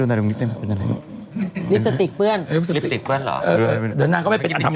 เป็นอะไรนะลิปสติกเพื่อนรึไงเออเราไม่รู้น่ะก็ไม่เป็นอันทำ